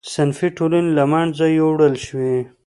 صنفي ټولنې له منځه یووړل شوې.